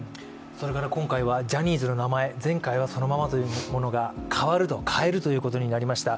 今回はジャニーズの名前、前回はそのままということが変わると、変えるということになりました。